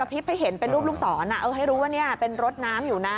คลิปให้เห็นเป็นรูปลูกศรให้รู้ว่านี่เป็นรถน้ำอยู่นะ